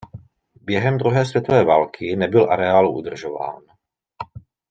Během druhé světové války nebyl areál udržován.